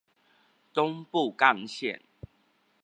東部幹線